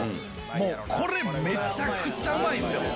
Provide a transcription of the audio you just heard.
これめちゃくちゃうまいんすよ！